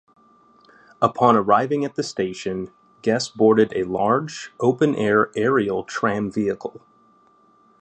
Upon arriving at the station, guests boarded a large, open-air aerial tram vehicle.